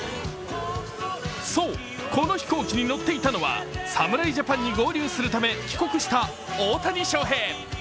そう、この飛行機に乗っていたのは侍ジャパンに合流するため帰国した大谷翔平。